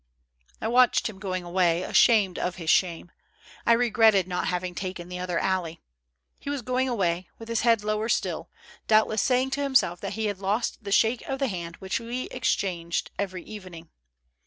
I watched him going away, ashamed of his shame. I regretted not having taken the other alley. He was going away, with his head lower still, doubtless saying to himself that he had lost the shake of the hand which we exchanged every evening.